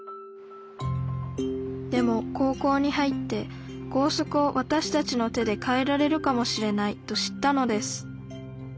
でも高校に入って「校則をわたしたちの手で変えられるかもしれない」と知ったのです。